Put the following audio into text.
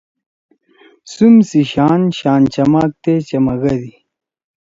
م سی شان شان چماک تے چمگدی۔